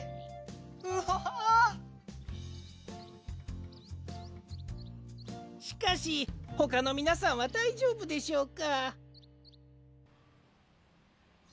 うわ！しかしほかのみなさんはだいじょうぶでしょうか？